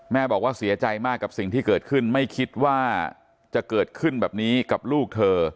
บอกว่าเสียใจมากกับสิ่งที่เกิดขึ้นไม่คิดว่าจะเกิดขึ้นแบบนี้กับลูกเธอ